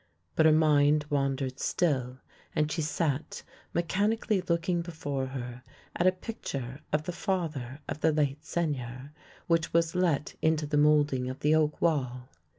But her mind wandered still, and she sat mechanically locking before her at a picture of the father of the late Seigneur, THE LANE THAT HAD NO TURNING 37 which was let into the moulding of the oak wall.